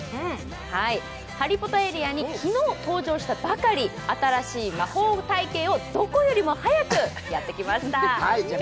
ハリポタエリアに昨日登場したばかり、新しい魔法体験をどこよりも早くやってきました。